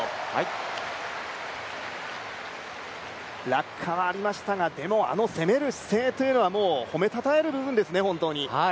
落下はありましたがでもあの攻める姿勢というのは褒めたたえる部分ですね、本当に。